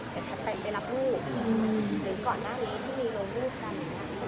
เดี๋ยวแพทย์ไปรับลูกหรือก่อนหน้านี้ที่มีโรงรูปกัน